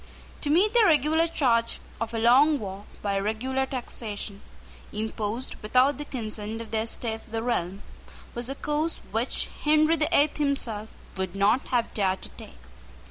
To meet the regular charge of a long war by regular taxation, imposed without the consent of the Estates of the realm, was a course which Henry the Eighth himself would not have dared to take.